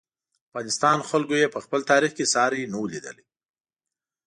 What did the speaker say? افغانستان خلکو یې په خپل تاریخ کې ساری نه و لیدلی.